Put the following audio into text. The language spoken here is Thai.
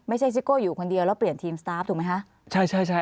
ไม่ใช่ซิโก้อยู่คนเดียวแล้วเปลี่ยนทีมสตาฟถูกไหมฮะใช่ใช่ใช่